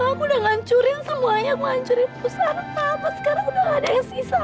ayah kamu orangnya ikhlas banget ya